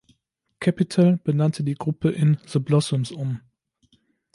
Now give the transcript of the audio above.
Capitol benannte die Gruppe in The Blossoms um.